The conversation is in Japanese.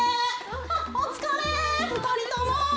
あっお疲れ２人とも。